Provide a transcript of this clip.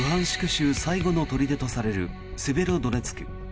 州最後の砦とされるセベロドネツク。